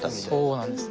そうなんです。